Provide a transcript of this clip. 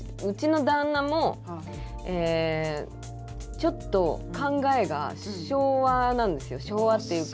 うちの旦那もちょっと考えが昭和なんですよ。